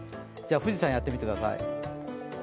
富士山、やってみてください。